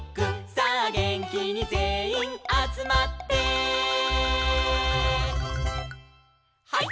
「さあげんきにぜんいんあつまって」「ハイ！